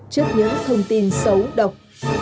trước những thông tin xấu độc